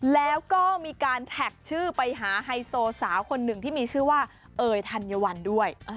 แล้วก็มีการแท็กชื่อไปหาไฮโซสาวคนหนึ่งที่มีชื่อว่าเอ๋ยธัญวัลด้วย